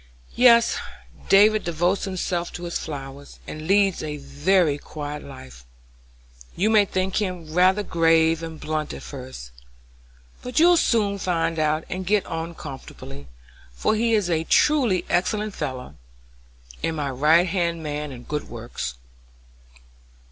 "Yes, David devotes himself to his flowers, and leads a very quiet life. You may think him rather grave and blunt at first, but you'll soon find him out and get on comfortably, for he is a truly excellent fellow, and my right hand man in good works."